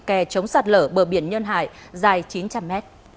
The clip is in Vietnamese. kè chống sạt lở bờ biển nhơn hải dài chín trăm linh m